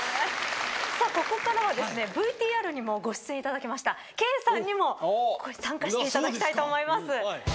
ここからはですねＶＴＲにもご出演いただきましたＫさんにも参加していただきたいと思います。